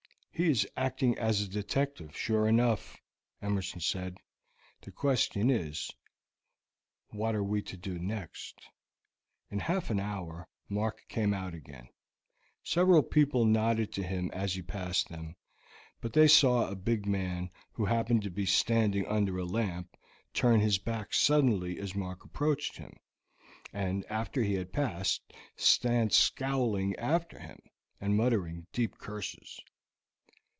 "He is acting as a detective, sure enough," Emerson said. "The question is, what are we to do next?" In half an hour Mark came out again. Several people nodded to him as he passed them, but they saw a big man, who happened to be standing under a lamp, turn his back suddenly as Mark approached him, and, after he had passed, stand scowling after him, and muttering deep curses.